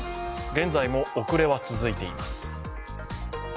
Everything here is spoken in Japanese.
現在も遅れは続いています。